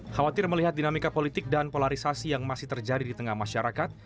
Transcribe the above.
khawatir melihat dinamika politik dan polarisasi yang masih terjadi di tengah masyarakat